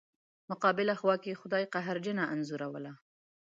مقابله خوا کې خدای قهرجنه انځوروله.